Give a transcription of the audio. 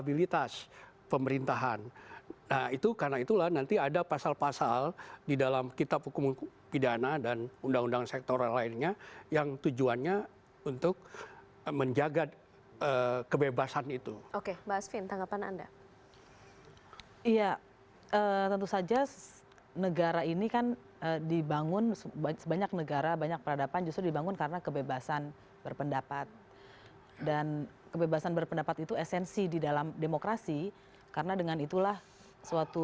berpendapat dan kebebasan berpendapat itu esensi di dalam demokrasi karena dengan itulah suatu